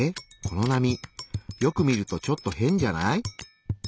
この波よく見るとちょっと変じゃない？